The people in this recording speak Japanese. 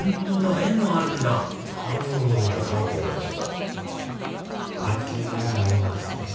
絵もあるんだ本人が描いたの見ると味わいがありますね。